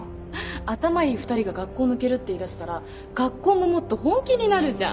頭いい２人が学校抜けるって言い出したら学校ももっと本気になるじゃん。